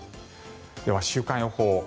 では、週間予報。